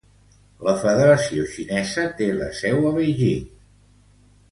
La federació xinesa té la seu a Beijing.